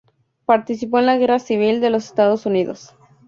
Participó en la guerra civil de los Estados Unidos.